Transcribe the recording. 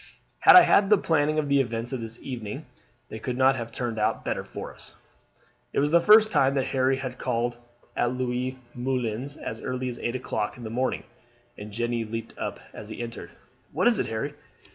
Had I had the planning of the events of this evening they could not have turned out better for us." It was the first time that Harry had called at Louise Moulin's as early as eight o'clock in the morning, and Jeanne leaped up as he entered. "What is it, Harry?